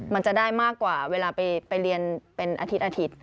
มันจะได้มากกว่าเวลาไปเรียนเป็นอาทิตย์